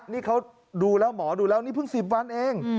นี่เขาดูแล้วหมอดูแล้วนี่เพิ่ง๑๐วันเอง